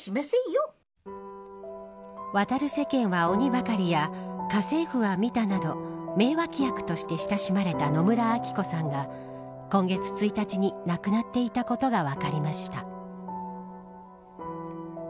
渡る世間は鬼ばかりや家政婦は見た！など名脇役として親しまれた野村昭子さんが今月１日に亡くなっていたことが分かりました。